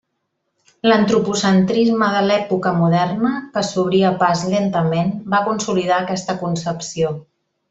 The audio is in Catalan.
L'antropocentrisme de l'època moderna, que s'obria pas lentament, va consolidar aquesta concepció.